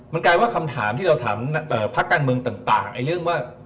มันกลายว่าคำถามที่เราถามพักการเมืองต่างเรื่องว่า